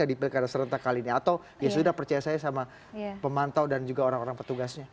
di pilkada serentak kali ini atau ya sudah percaya saya sama pemantau dan juga orang orang petugasnya